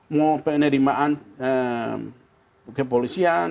mau penerimaan kepolisian